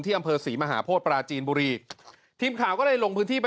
อำเภอศรีมหาโพธิปราจีนบุรีทีมข่าวก็เลยลงพื้นที่ไป